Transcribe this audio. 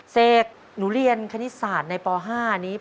เสกหนูเรียนคณิตศาสตร์ในป๕นี้